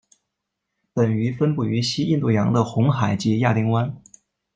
本鱼分布于西印度洋的红海及亚丁湾。